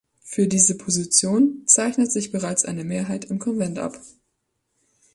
Für diese Position zeichnet sich bereits eine Mehrheit im Konvent ab.